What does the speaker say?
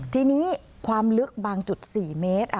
ทีนี้ความลึกบางจุด๔เมตร